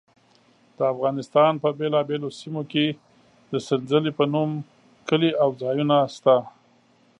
د افغانستان په بېلابېلو سیمو کې د سنځلې په نوم کلي او ځایونه شته.